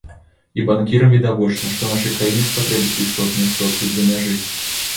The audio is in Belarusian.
І банкірам відавочна, што нашай краіне спатрэбяцца істотныя сродкі з-за мяжы.